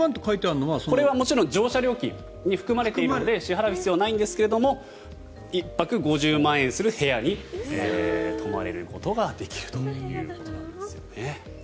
これは乗車料金に含まれているので支払う必要はないんですが１泊５０万円する部屋に泊まることができるということなんですよね。